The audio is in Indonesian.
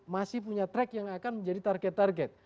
masih punya track yang akan menjadi target target